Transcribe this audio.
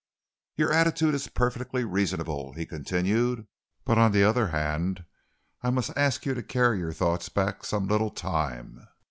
"Your attitude is perfectly reasonable," he continued, "but on the other hand I must ask you to carry your thoughts back some little time.